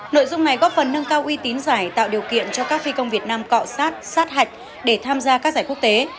nội dung này góp phần nâng cao uy tín giải tạo điều kiện cho các phi công việt nam cọ sát sát hạch để tham gia các giải quốc tế